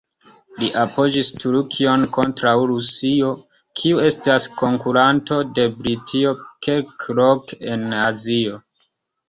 Li apogis Turkion kontraŭ Rusio, kiu estis konkuranto de Britio kelkloke en Azio.